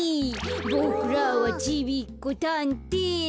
「ボクらはちびっこたんてい団」